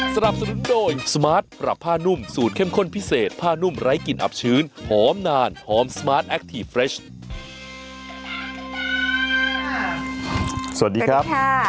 สวัสดีครับ